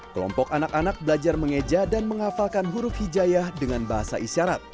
kelompok anak anak belajar mengeja dan menghafalkan huruf hijayah dengan bahasa isyarat